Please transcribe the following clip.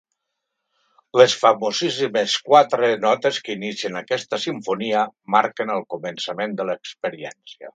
Les famosíssimes quatre notes que inicien aquesta simfonia marquen el començament de l’experiència.